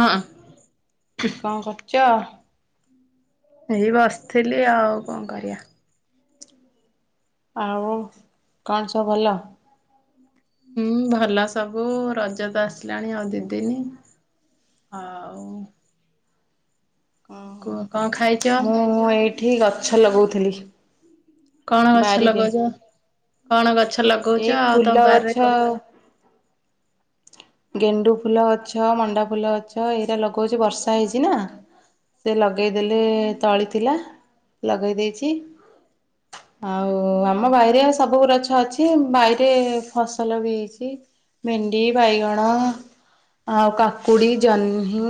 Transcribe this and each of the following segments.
ହଁ। କଣ କରୁଚ? ଏଇ ବସିଥିଲି ଆଉ କଣ କରିବା। ଆଉ କଣ ସବୁ ଭଲ? ହୁଁ ଭଲ ସବୁ ରଜ ତ ଆସିଲାଣି ଆଉ ଦିଦିନି। ହଉ। କ କୁହ କଣ ଖାଇଚ? ଠି ଗଛ ଲଗଉଥିଲି। କଣ ଗଛ ବାରିରେ ଲଗଉଚ? କଣ ଗଛ ଲଗଉଚ? ଏଇ ଆଉ ଫୁଲ ତମ ଗଛ ବାରିରେ କଣ। ଗେଣ୍ଡୁ ଫୁଲ ଗଛ, ମଣ୍ଡା ଫୁଲ ଅଛ, ଏଇରା ଲଗଉଛି, ବର୍ଷା ହେଇଛି ନା? ସେ ଲଗେଇଦେଲେ, ତଳି ଥିଲା ଲଗେଇ ଦେଇଚି। ଆଉ, ଆମ ବାଇରେ ସବୁ ରଛ ଅଛି, ବାଇରେ ଫସଲ ବି ହେଇଛି। ଭେଣ୍ଡି, ବାଇଗଣ ଆଉ କାକୁଡ଼ି, ଜହ୍ନି,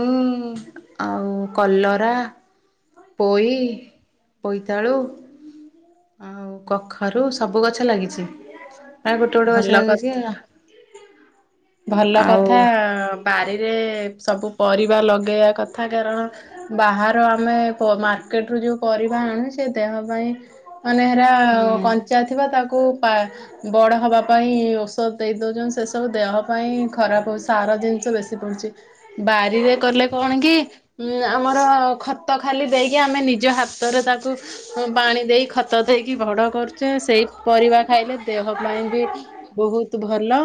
ଆଉ କଲରା ପୋଇ ପୋଇତାୂଳୁ। ଆଉ କଖାରୁ ସବୁ ଗଛ ଲାଗିଚି। ଭଲ କଥ୍ ଭଲ ଆଉ କଥାଁ ବାରିରେ ସବୁ ପରିବା ଲଗେଇବା, କଥା କାରଣ ବାହାର ଆମେ ପ ମାର୍କେଟ ରୁ ଯୋଉ ପରିବା ଆଣୁଛେ, ଦେହ ପାଇଁ ମାନେ ହେରା-ଆ ହୁଁ। କଞ୍ଚା ଥିବା, ତାକୁ ପାବଡ। ହବା ପାଇଁ ଔଷଧ ଦେଇଦଉଛନ୍ତି। ସେସବୁ ଦେହ ପାଇଁ ଖରାପ ହଉ ସାର ଜିନିଷ ବେଶୀ ପଡ଼ୁଛି। ବାରିରେ କଲେ କଣ କି? ଉଁ ଆମର ଖତ ଖାଲି ଦେଇକି, ଆମେ ନିଜ ହାତରେ ତାକ୍ ତୁ ପାଣି ଦେଇ ଖତ ଦେଇକି ବଡ କରୁଛେ, ସେଇ ପରିବା ଖାଇଲେ ଦେହ। ପାଇଁ ବି, ବହୁତ ଭଲ।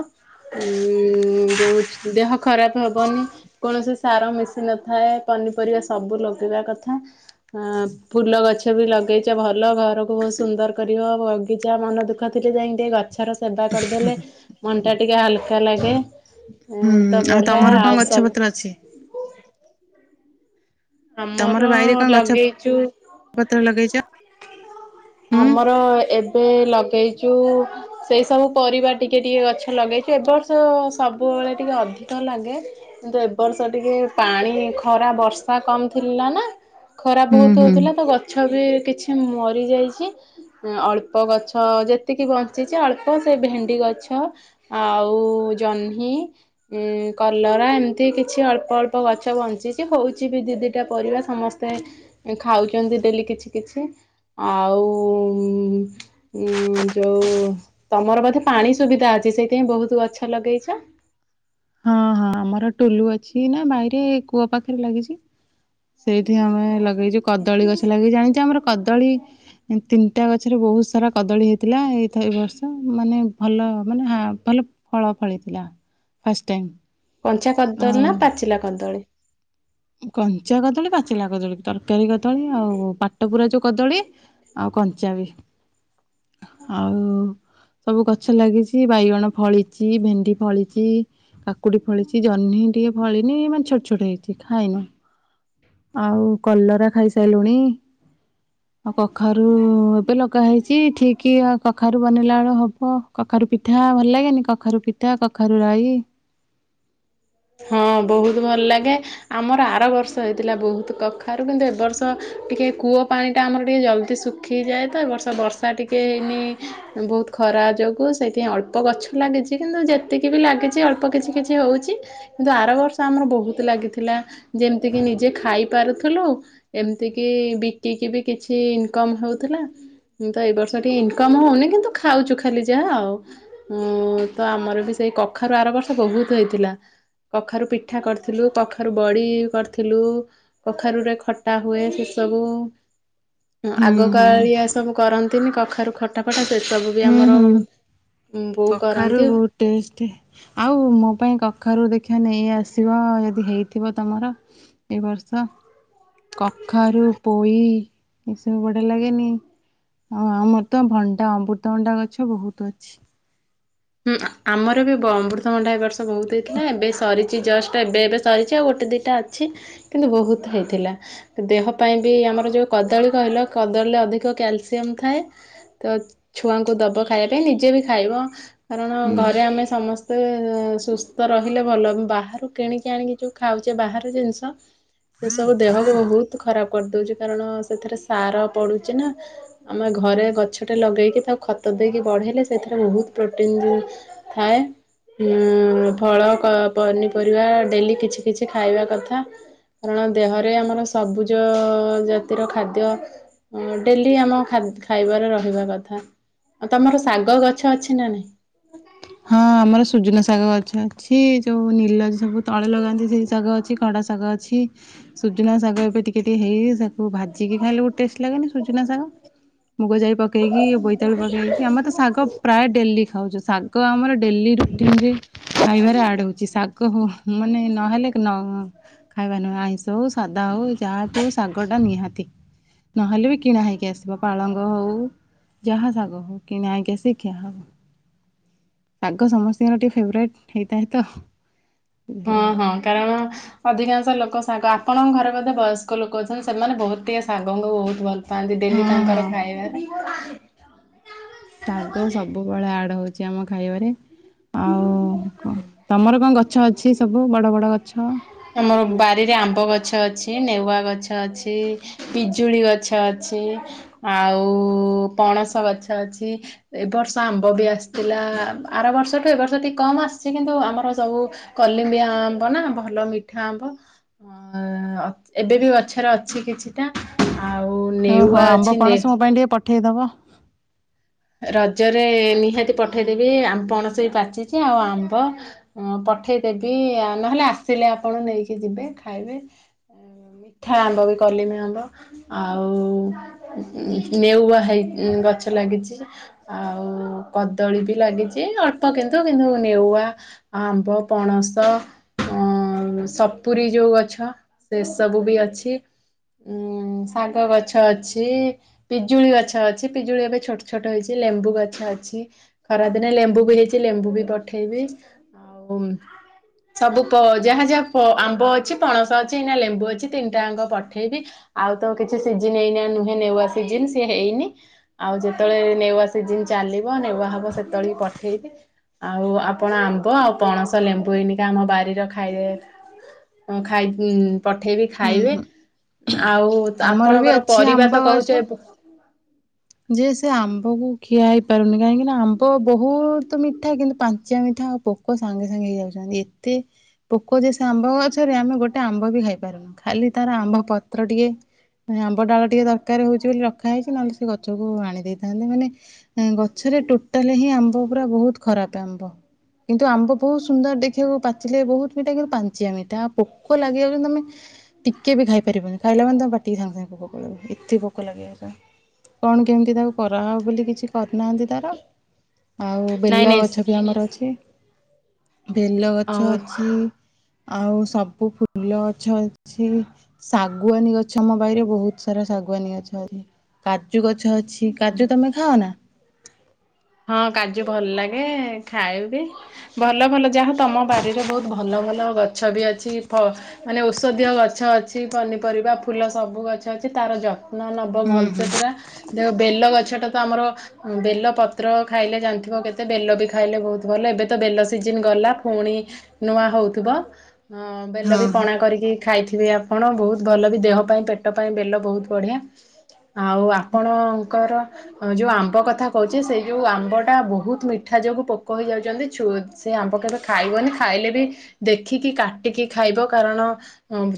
ଉଁ-ଉଁ ଯୋଉଚ୍ ଦେହ ଖରାପ ହବନି କୌଣସି ସାର ମିଶିନଥାଏ। ପନିପରିବା ସବୁ ଲଗେଇବା କଥା। ଅଁ ଫୁଲ ଗଛ ବି ଲଗେଇଚ, ଭଲ ଘରକୁ ବହୁତ ସୁନ୍ଦର କରିବ। ବଗିଚା ମନ ଦୁଃଖ ଖ ଥିଲେ ଯାଇଁ ଟେ ଗଛର ସେବା କରିଦେଲେ ମନଟା ଟିକେ ହାଲ୍ କା ଲାଗେ ହୁଁ ତ, ଆଉ ବଢ଼ିଆ ତମର କଣ ଆଉ ଗଛ ସବୁ ପତ୍ର ଅଛି ତମର ଆମର ବାଇରେ କଣ ଗଛ ଲଗେଇଚୁ ପତ୍ର ଲଗେଇଚ ଆମର ଏବେ ଲଗେଇଚୁ ସେଇ ସବୁ ପରିବା ଟିକେ ଟିକେ ଗଛ ଲଗେଇଛୁ, ଏବ ବର୍ଷ ସବୁବେଳେ ଟିକେ ଅଧିକ ଲାଗେ। କିନ୍ତୁ ଏବ ବର୍ଷ ଟିକେ ପାଣି ଖରା ବର୍ଷା କମ ଥିଲା ନା! ଖରା ହୁଁ ବହୁତ ହୁଁ। ହଉଥିଲା ତ ଗଛ ବି କିଛି ମରି ଯାଇଛି। ଚି ଅଳ୍ପ ଗଛ ଯେତିକି ବଞ୍ଚିଛି, ଅଳ୍ପ ସେ ଭେଣ୍ଡି ଗଛ। ଆଉ ଜହ୍ନି ଉଁ, କଲରା ଏମିତି କିଛି ଅଳ୍ପ ଅଳ୍ପ ଗଛ ବଞ୍ଚିଛି। ହଉଛି ବି ଦି ଦିଟା ପରିବା। ସମସ୍ତେ ଖାଉଚନ୍ତି, ଡେଲି କିଛି କିଛି ଆଉ-ଉ -ଉମ୍ ଉମ୍ ଯଉ ତମର ବୋଧେ ପାଣି ସୁବିଧା ଅଛି, ସେଇଥିଆଇଁ ବହୁତ ଗଛ ଲଗେଇଛ। ହଁ ହଁ ଆମର ଟୁଲୁ ଅଛି ନା, ବାଇରେ କୂଅ ପାଖରେ ଲାଗିଛି। ସେଇଠି ଆମେ ଲଗେଇଚୁ କଦଳୀ ଗଛ ଲାଗିି ଜାଣିଛି, ଆମର କଦଳୀ ତିନିଟା ଗଛରେ ବହୁତ ସାରା କଦଳୀ ହେଇଥିଲା ଏଇଥ ଏ ବର୍ଷ ମାନେ ଭଲ ମାନେ ହା ଭଲ ଫଳ ଫଳିଥିଲା ଫଷ୍ଟ ଟାଇମ୍। କଞ୍ଚା କଦଲ୍ ନା ଆଉ ପାଚିଲା କଦଳୀ। କଞ୍ଚା କଦଳୀ ପାଚିଲା କଦଳୀ ତରକାରୀ କଦଳୀ, ଆଉ, ପାଟ ପୁରା ଯୋଉ କଦଳୀ। ଆଉ କଞ୍ଚା ବି, ଆଉ-ଉ ସବୁ ଗଛ ଲାଗିଛି ବାଇଗଣ ଫଳିଚି, ଭେଣ୍ଡି ଫଳିଚି। କାକୁଡି ଫଳିଛି ଜହ୍ନି ଟିକେ ଫଳିନି, ମାନେ ଛୋଟ୍ ଛୋଟ୍ ହେଇଛି। ଖାଇନୁ ଆଉ କଲରା ଖାଇସାଇଲୁଣି? ଆଉ କଖାରୁ ଏବେ ଲଗା ହେଇଚି ଠିକି ଆ କଖାରୁ ବନେଇଲା ଅଳୁ ହବ। କଖାରୁ ପିଠା ଭଲ ଲାଗେନି କଖାରୁ ପିଠା କଖାରୁ ରାଇ? ହଁ ବୋହୁତ ଭଲ ଲାଗେ। ଆମର ଆର ବର୍ଷ ହେଇଥିଲା ବୋହୁତ କଖାରୁ କିନ୍ତୁ ଏବ ବର୍ଷ ଟିକେ କୂଅ ପାଣିଟା ଆମର ଟିକେ ଜଲ୍ଦି ଶୁ ଖିଯାଏ ତ ଏ ବର୍ଷା ବର୍ଷା ଟିକେ ଏନି ବୋହୁତ ଖରା ଯୋଗୁ ସେଇଥିଇଁ ଅଳ୍ପ ଗଛ ଲାଗିଚି କିନ୍ତୁ ଯେତିକି ବି ଲାଗିଚି ଅଳ୍ପ କିଛି କିଛି ହଉଚି। କିନ୍ତୁ ଆର ବର୍ଷ ଆମର ବହୁତ ଲାଗିଥିଲା ଯେମତି କିି ନିଜେ ଖାଇ ପାରୁଥିଲୁ। ଏମତି କି ବିକିକି ବି କିଛି ଇନକମ ହଉଥୁଲା। ଉଁ ତ ଏଇ ବର୍ଷ ଟିକେ ଇନକମ୍ ହଉନି କିନ୍ତୁ ଖାଉଚୁ ଖାଲି ଯାହା ଆଉ। ହୁଁ ତ ଆମର ବି ସେଇ କଖାରୁ ଆର ବର୍ଷ ବହୁତ ହେଇଥିଲା। କଖାରୁ ପିଠା କରିଥିଲୁ କଖାରୁ ବଡ଼ି କରିଥିଲୁ କଖାରୁରେ ଖ ତା ହୁଏ ସେ ସବୁ ହଁ ହୁଁ ଆଗ ହୁଁ କାଳିଆ ସବୁ କରନ୍ତିନି କଖାରୁ ଖ ଟା କଟା ସେ ସବୁ ବି ହୁଁ ଆମର ହୁଁ ଉଁ ବୋଉ କରନ୍ତି। ଟେଷ୍ଟେ ଆଉ ମୋ ପାଇଁ କଖାରୁ ଦେଖିଆ ନେଇ ଆସିବ ଯଦି ହେଇଥିବ ତମର। ଏ ବର୍ଷ କଖାରୁ, ପୋଇ ଏସବୁ ବଢ଼ିଆ ଲାଗେନି? ଆଉ ଆମର ତ ଭଣ୍ଡା ଅମ୍ବୁର୍ତଭଣ୍ଡା ଗଛ ବହୁତ ଅଛି। ହୁଁ ଆମର ବି ବ ଅମ୍ବୃତଭଣ୍ଡା ଏ ବର୍ଷ ବହୁତ ତ। ହେଇଥିଲା ଏବେ ସରି ଚି ଜଷ୍ଟା ଏବେ ଏବେ ସରିଚି ଆଉ ଗୋଟେ ଦିଟା ଅଛି କିନ୍ତୁ ବହୁତ ହେଇଥିଲା। ଦେହ ପାଇଁ ବି ଆମର ଯୋଉ କଦଳୀ କହିଲ କଦଳୀରେ ଅଧିକ କ୍ୟାଲସିୟମ ଥାଏ। ତ ଛୁଆଙ୍କୁ ଦବ ଖାଇବା ପାଇଁ ନିଜେ ବି ଖାଇବ କାରଣ ହୁଁ। ଘରେ ଆମେ ସମସ୍ତେ ସୁସ୍ଥ ରହିଲେ ଭଲ ବି ବାହାରୁ କିଣିକି ଆଣିକି ଯୋଉ ଖାଉଚେ ବାହାର ଜିନିଷ ଏସବୁ ଦେହକୁ ବହୁତ ଖରାପ କରି ଦୋଉଚି କାରଣ ସେଥିରେ ସାର ପଡ଼ୁଚି ନା। ଆମେ ଘରେ ଗଛଟେ ଲଗେଇକି ତାକୁ ଖତ ଦେଇକି ବଢେଇଲେ ସେଥିରେ ବହୁତ ପ୍ର ଟିନ୍ ଯୋଉ ଥାଏ। ଉଁ ଫଳ କ ପନିପରିବା ଡେଲି କିଛି କିଛି ଖାଇବା କଥା। କାରଣ ଦେହରେ ଆମର ସବୁଜ ଜାତିର ଖାଦ୍ୟ ଅଁ ଡେଲି ଆମ ଖା ଖାଇବାରେ ରହିବା କଥା। ଅ ତମର ଶାଗ ଗଛ ଅଛି ନାଁ ନାଇଁ? ହଁ ଆମର ସୁଜୁନା ଶାଗ ଗଛ ଅଛି ଯୋଉ ନୀଲଜି ସବୁ ତଳେ ଲଗାନ୍ତି ସେଇ ଶାଗ ଅଛି ଖଡ଼ା ଶାଗ ଅ ଛି। ସୁଜୁନା ଶାଗ ଏବେ ଟିକେ ଟିକେ ହେଇଇ ତାକୁ ଭାଜିକି ଖାଇଲେ ବୋ ଟେଷ୍ଟ ଲାଗେନି ସୁଜନା ଶାଗ। ମୁଗ ଜାଇ ପକେଇକି ବୋଇତାଳୁ ପକେଇକି ଆମେ ତ ଶାଗ ପ୍ରାୟ ଡେଲି ଖାଉଚୁ ଶା ଗ ଆମର ଡେଲି ରୁଟିନରେ ଖାଇବାରେ ଆଡ଼ ହୋଉଚି ଶାଗ ହୋ ମାନେ ନହେଲେ କି ନହୋ ଖାଇବା ନୁହେଁ ଆଇଁଷ ହଉ ସାଧା ହଉ ଯାହା ବି ହଉ ଶାଗଟା ନିହାତି। ନହେଲେ ବି କିଣା ହେଇକି ଆସିବ ପାଳଙ୍ଗ ହଉ ଯାହା ଶାଗ ହେଉ କିନା ହେଇକି ଆସି ଖିଆ ହବ। ଶାଗ ସମସ୍ତିଙ୍କର ଟିକେ ଫେବରାଇଟ୍ ହେଇଥାଏ ତ। ହଁ ସେଥିଲାଗି ହଁ କାରଣ ଅଧିକାଂଶ ଲୋକ ଶାଗ ଆପଣଙ୍କ ଘରେ ବୋଧେ ବୟସ୍କ ଲୋକ ଅଛନ୍ତି ସେମାନେ ବହୁତ ଟିକେ ଶାଗଙ୍କୁ ବହୁତ ଭଲ ପାଆନ୍ତି ଡେଲି ହଁ ତାଙ୍କର ହଁ ଖାଇବାରେ। ଶାଗ ସବୁବେଳେ ଆଡ଼ ହଉଚି ଆମ ଖାଇବାରେ ଆଉ ତମର କଁ ତମର କଁ ଗ ଛ ଅଛି ସବୁ ବଡ଼ ବଡ଼ ଗଛ। ଆମର ବାରିରେ ଆମ୍ବ ଗଛ ଅଛି ନେଉଆ ଗଛ ଅଛି ପିଜୁଳି ଗଛ ଅଛି ଆଉ ପଣସ ଗଛ ଅଛି। ଏ ବର୍ଷ ଆମ୍ବ ବି ଆସିଥିଲା ଆର ବର୍ଷଠୁ ଏ ବର୍ଷ ଟିକେ କମ ଆସିଛି କିନ୍ତୁ ଆମର ସବୁ କଲିମ୍ବି ଆମ୍ବ ନା ଭଲ ମି ମିଠା ଆମ୍ବ ଏବେ ବି ଗଛରେ ଅଛି କିଛି। ଓହୋ ଆମ୍ବ ନେ ପଣସ ମୋ ପାଇଁ ଟିକେ ପଠେଇଦବ? ରଜରେ ନିହାତି ପଠେଇଦେବି ଆମ ପଣସ ବି ପାଚିଛି ଆଉ ଆମ୍ବ ହଁ ପଠେଇଦେବି ନହେଲେ ଆସିଲେ ଆପଣ ନେଇକି ଯିବେ ଖାଇବେ। ମିଠା ଆମ୍ବ ବି କଲିମ ଆମ୍ବ। ଆଉ ନେଉଆ ହେଇ ଗଛ ଲାଗିଛି। ଆଉ କଦଳୀ ବି ଲାଗିଛି ଅଳ୍ପ କିନ୍ତୁ କିନ୍ତୁ ନେଉଆ ଆମ୍ବ ପଣସ ଅ ସପୁୁରୀ ଯୋଉ ଗଛ। ସେ ସବୁ ବି ଅଛି। ଉଁ ଶାଗ ଗଛ ଅଛି ପିଜୁଳି ଗଛ ଅଛି ପିଜୁଳି ଏବେ ଛୋଟ ଛୋଟ ହେଇଛି ଲେମ୍ବୁ ଗଛ ଅଛି। ଖରା ଦିନେ ଲେମ୍ବୁ ବି ହେଇଛି ଲିମ୍ବ ବି ପଠେଇବି। ହଉ? ସବୁ ପ ଯାହା ଯାହା ଆମ୍ବ ଅଛି ପଣସ ଅଛି ନା ଲେମ୍ବୁ ଅଛି ତିନିଟାଙ୍କ ପଠେଇବି। ଆଉ ତ କିଛି ସିଜିନ ହେଇନି ନୁହେଁ ନେଉଆ ସିଜିନ ସିଏ ହେଇନି ଆଉ ଯେ ଯେତେବେଳେ ନେଉଆ ସିଜିିନ ଚାଲିବ ନେଉଆ ହବ ସେତେବେଳେ ପଠେଇବି। ଆଉ ଆପଣ ଆମ୍ବ ଆଉ ପଣସ ଲେମ୍ବୁ ଆମ ବାରିର ଖାଇଲେ ତମେ ଖାଇ ପଠେଇବି। ଖାଇବେ ହୁଁ ଆଉ ଆମର ବି ଆପଣଙ୍କର ଅଛି ପରିବା ଆମ୍ବ ତ ଗଛ। କହୁଛେ ଯେ ସେ ଆମ୍ବ କ ଖିଆ ହେଇପାରୁନି କାହିଁକି ନା ଆମ୍ବ ବହୁତ ମିଠା କିନ୍ତୁ ପାଞ୍ଚିଆ ମିଠା ଆଉ ପୋକ ସାଙ୍ଗେ ସାଙ୍ଗେ ହେଇଯାଉଛନ୍ତି। ଏତେ ପୋକ ଯେସ ଆମ୍ବ ଗଛରେ ଆମେ ଗୋଟେ ଆମ୍ବ ବି ଖାଇପାରୁନୁ ଖାଲି ତାର ଆମ୍ବ ପତ୍ର ଟିକେ ଆମ୍ବ ଡାଳ ଟିକେ ଦରକାର ହଉଛି ବୋଲି ରଖାହଇଛି ନେଲେ ସେ ଗଛ ଗଛକୁ ହାଣି ଦେଇେଥାନ୍ତେ ମାନେ। ଗଛରେ ଟୋଟାଲ ହିଁ ଆମ୍ବ ପୁରା ବହୁତ ଖରାପ ଆମ୍ବ। କିନ୍ତୁ ଆମ୍ବ ବହୁତ ସୁନ୍ଦର ଦେଖିବାକୁ ପାଚିଲେ ବହୁତ ମିଠା କିନ୍ତୁ ପାଞ୍ଚଆ ମିଠା ପୋକ ଲାଗିବାକୁ ତମେ ଟିକେ ବି ଖାଇପାରିବନି ଖାଇଲା ମାନେ ପାଟିକି ସାଙ୍ଗେ ସାଙ୍ଗେ ପୋକ ଲାଗି ଯାଉଛନ୍ତି ଏତେ ପୋକ ଲାଗି ଯାଉଛନ୍ତି। କଣ କେମିତି ତାକୁ କରାହ ବୋଲି କିଛି କରିନାହାନ୍ତି ତାର? ଆଉ ନାଇଁ ବେଲ ନାଇଁ ଗଛ ବି ଆମର ଅଛି। ବେଲଗଛ ଅ ଅଛି ଆଉ ସବୁ ଫୁଲ ଗଛ ଅଛି। ଶାଗୁଆନୀ ଗଛ ଅମ ବାଇରେ ବହୁତ ସାରା ଶାଗୁଆନୀ ଗଛ ଅଛି। କାଜୁ ଗଛ ଅଛି କାଜୁ ତମେ ଖାଅ ନା? ହଁ କାଜୁ ଭଲ ଲାଗେ ଖାଏ ବି। ଭଲ ଭଲ ଯାହା ତମ ବାରିରେ ବହୁତ ଭଲ ଭଲ ଗଛ ବି ଅଛି। ମାନେ ଔଷଧୀୟ ଗଛ ଅଛି ପନିପରିବା ଫୁଲ ସବୁ ଗଛ ଅଛି ତାର ଯ ଯତ୍ନ ନେବ ହୁଁ ଭଲସେ ହୁଁ ପୁରା ଦେଖ ବେଲ ଗଛଟା ତ ଆମର ବେଲ ପତ ପତ୍ର ଖାଇଲେ ଜାଣିଥିବ କେତେ ବେଲ ବି ଖାଇଲେ ବହୁତ ଭଲ ଏବେ ତ ବେଲ ସିଜିନ୍ ଗଲା ପୁଣି ନୂଆ ହଉଥିବ। ଅ ବେଲ ହଁ ବି ପଣା ହଁ କରିକି ଖାଇଥିବେ ଆପଣ ବହୁତ ଭଲ ବି ଦେହ ପାଇଁ ପେଟ ପାଇଁ ବେଲ ବହୁତ ବଢିଆ। ଆଉ ଆପଣଙ୍କର ଯୋଉ ଆମ୍ବ କଥା କହୁ ଯେ ସେ ଯଉ ଆମ୍ବଟା ବହୁତ ମିଠା ଯୋଗୁଁ ପୋକ ହେଇଯାଉଛନ୍ତି ସେ ଆମ୍ବ କେବେ ଖାଇବନି। ଖାଇଲେ ବି ଦେଖିକି କାଟିକି ଖାଇବ କାରଣ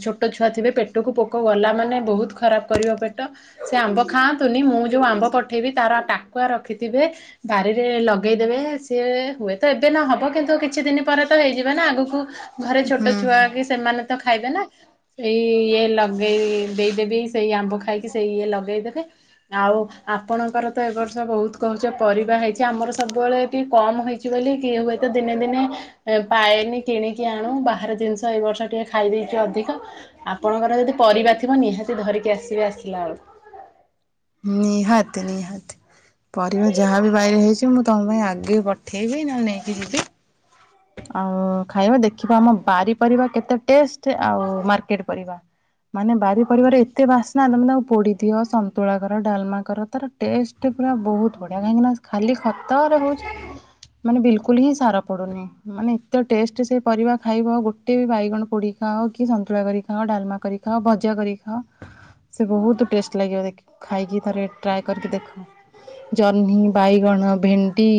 ଛୋଟ ଛୁଆ ଥିବେ ପେଟକୁ ପୋକ ଗଲା ମାନେ ବହୁତ ଖରାପ କରିବ ପେଟ। ସେ ଆମ୍ବ ଖାଆନ୍ତୁନି ମୁଁ ଯୋଉ ଆମ୍ବ ପଠେଇବି ତାର ଟାକୁଆ ରଖିଥିବେ ବାରିରେ ଲଗେଇଦେବେ ସିଏ ହୁଏ ତ ଏବେ ନ ହବ କିନ୍ତୁ କିଛି ଦିନ ପରେ ତ ହେଇଯିବ ନା ଆଗକୁ ଘରେ ହୁଁ ଛୋଟ ଛୁଆ ହୁଁ କି ସେମାନେ ତ ଖାଇବେ ନା ସେଇ ଇଏ ଲଗେଇ ଦେଇଦେବି ସେଇ ଆମ୍ବ ଖାଇକି ସେଇ ଇଏ ଲଗେଇଦେବେ ଆଉ ଆପଣଙ୍କର ତ ଏ ବର୍ଷ ବହୁତ କହୁଛ ପରିବା ହେଇଛି ଆମର ସବୁବେଳେ ଟିକେ କମ ହେଇଛି ବୋଲି କିଏ ହୁଏତ ଦିନେ ଦିନେ ପାଏନି କିଣିକି ଆଣୁ ବାହାର ଜିନିଷ ଏଇ ବର୍ଷ ଟିକେ ଖାଇ ଦେଇଛୁ ଅଧିକ ଆପଣଙ୍କର ଯଦି ପରିବା ଥିବ ନିହାତି ଧରିକି ଆସିବେ ଆସିଲା ବେଳକୁ ନିହାତି ନିହାତି ପରିବା ଯାହା ବି ବାରିରେ ହେଇଛି ମୁଁ ତମ ପାଇଁ ଆଗେ ପଠେ ପଠେଇବି ନହେଲେ ନେଇକି ଯିବି ଆଉ ଖାଇବ ଦେଖିବ ଆମ ବାରି ପରିବା କେତେ ଟେଷ୍ଟ ଆଉ ମାର୍କେଟ ପରିବା ମାନେ ବାରି ପରିବାରେ ଏତେ ବାସ୍ନା ତମେ ତାକୁ ପୋଡ଼ି ଦିଅ ସନ୍ତୁଳା କର ଡାଲମା କର ତାର ଟେଷ୍ଟ ପୁରା ବହୁତ ବଢ଼ିଆ କାହିଁକିନା ଖାଲି ଖ ଖତ ରେ ହଉଛି ମାନେ ବିଲକୁଲ ହିଁ ସାର ପଡୁନି ମାନେ ଏତେ ଟେଷ୍ଟ ସେ ପରିବା ଖାଇବ ଗୋଟେ ବି ବାଇଗଣ ପୋଡ଼ି ଖାଅ କି ସନ୍ତୁଳା କରି ଖାଅ ଡାଲମା କରି ଭଜା କରିକି ଖାଅ ସେ ବହୁତ ଟେଷ୍ଟ ଲାଗିବ ଦେଖ ଖାଇକି ଥରେ ଟ୍ରାଏ କରିକି ଦେଖ ଜହ୍ନି ବାଇଗଣ ଭେଣ୍ଡି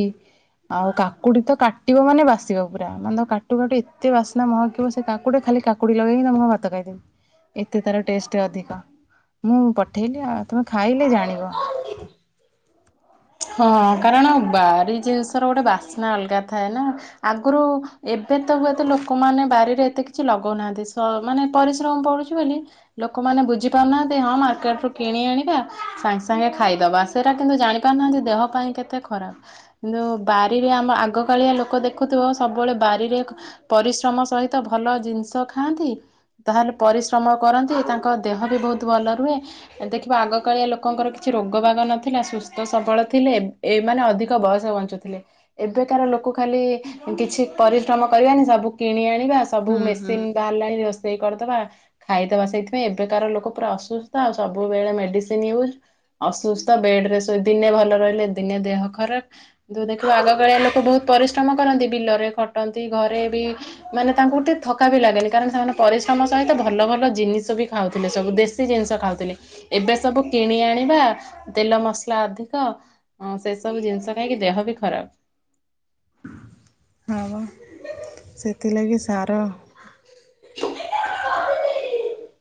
ଆଉ କାକୁଡି ତ କାଟିବ ମାନେ ବାସିବ ପୁରା ମାନେ ତମେ କାଟୁ କାଟୁ ଏତେ ବାସ୍ନା ମହକିବ ସେ କାକୁଡି ଖାଲି କାକୁଡି ଲଗେଇକି ମୁଁ ଭାତ ଖାଇଦେବି ଏତେ ତାର ଟେଷ୍ଟ ଅଧିକ ମୁଁ ପଠେଇଲେ ଆଉ ତୁମେ ଖାଇଲେ ଜାଣିବ [inaudible] ହଁ କାରଣ ବାରି ଜିନିଷ ର ଗୋଟେ ବାସ୍ନା ଅଲଗା ଥାଏ ନା ଆଗରୁ ଏବେ ତ ହୁଏତ ଲୋକମାନେ ବାରିରେ ଏତେ କିଛି ଲଗଉନାହାନ୍ତି ମାନେ ପରିଶ୍ରମ ପଡ଼ୁଛି ବୋଲି ଲୋକମାନେ ବୁଝିପାରୁନାହାନ୍ତି ହଁ ମାର୍କେଟ ରୁ କିଣି ଆଣିବା ସାଙ୍ଗେ ସାଙ୍ଗେ ଖାଇଦବା ସେଇଟା କିନ୍ତୁ ଜାଣିପାରୁନାହାନ୍ତି ଦେହ ପାଇଁ କେତେ ଖରାପ କିନ୍ତୁ ବାରିରେ ଆମ ଆଗକାଳିଆ ଲୋକ ଦେଖୁଥିବ ସବୁବେଳେ ବାରିରେ ପରିଶ୍ରମ ସହିତ ଭଲ ଜିନିଷ ଖାଆନ୍ତି ତାହେଲେ ପରିଶ୍ରମ କରନ୍ତି ସେ ତାଙ୍କ ଦେହ ବି ବହୁତ ଭଲ ରୁହେ ଦେଖିବ ଆଗକାଳିଆ ଲୋକଙ୍କର କିଛି ରୋଗ ବାଗ ନଥିଲା ସୁସ୍ଥ ସବଳ ଥିଲେ ଏମାନେ ଅଧିକ ବୟସ ବଞ୍ଚୁଥିଲେ ଏବେ କାର ଲୋକ ଖାଲି କିଛି ପରିଶ୍ରମ କରିବାନି ସବୁ କିଣି ଆଣିବା ସବୁ ହୁଁ ହୁଁ। ମେସିନ୍ ବାହାରିଲାଣି ରୋଷେଇ କରିଦବା ଖାଇଦବା ସେଇଥିପାଇଁ ଏବେକାର ଲୋକ ପୁରା ଅସୁସ୍ଥ ଆଉ ସବୁବେଳେ ମେଡିସିନ ୟୁଜ୍ ଅସୁସ୍ଥ ବେଡ ରେ ଦିନେ ଭଲ ରହିଲେ ଦିନେ ଦେହ ଖରାପ କିନ୍ତୁ ଦେଖୀବ ଆଗ କଳିଆ ଲୋକ ବହୁତ ପରିଶ୍ରମ କରନ୍ତି ବିଲରେ ଖଟନ୍ତି ଘରେ ବି ମାନେ ତାଙ୍କୁ ଟିକେ ଥକା ବି ଲାଗେନି କାରଣ ସେମାନେ ପରିଶ୍ରମ ସହିତ ଭଲ ଭଲ ଜିନିଷ ବି ଖାଉଥିଲେ ସବୁ ଦେଶୀ ଜିନିଷ ଖାଉଥିଲେ ଏବେ ସବୁ କିଣି ଆଣିବା। ତେଲ ମସଲା ଅଧିକ ସେ ସବୁ ଜିନିଷ ଖାଇକି ଦେହ ବି ଖରାପ। ହଁ ସେଥିଲାଗି ସାର [unintelligible]